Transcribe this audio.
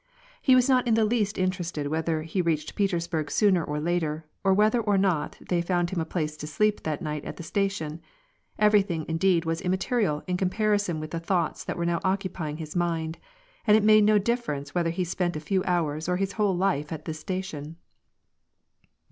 He was not in the least interested whether he reached Petersburg sooner or later, or whether or not they found him a place to sleep that night at the station: everything indeed was immaterial in comparison with the thoughts that were now occupying his mind, and it made no diiference whether he spent a few hours or his whole life at this station.